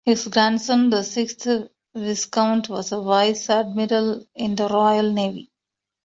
His grandson, the sixth Viscount, was a vice-admiral in the Royal Navy.